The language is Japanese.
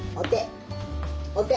お手。